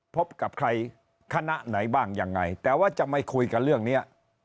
พบกับใครคณะไหนบ้างยังไงแต่ว่าจะไม่คุยกับเรื่องนี้